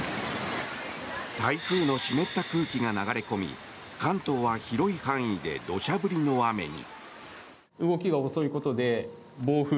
台風の湿った空気が流れ込み関東は広い範囲で土砂降りの雨に。